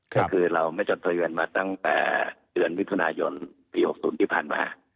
ก็คือเราไม่จดทะเยินมาตั้งแต่เวือนวิตุหนายนต์ตรี๖ศูนย์ที่ผ่านมา